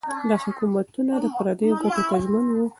دا حکومتونه د پردیو ګټو ته ژمن وو.